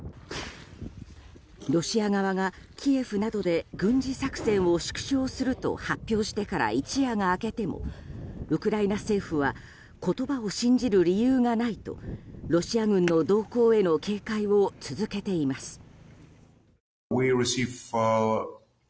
ロシア側が、キエフなどで軍事作戦を縮小すると発表してから一夜が明けてもウクライナ政府は言葉を信じる理由がないとロシア軍の動向への警戒を続けています。